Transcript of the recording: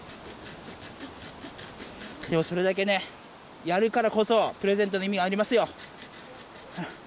でもそれだけねやるからこそプレゼントのいみがありますよ。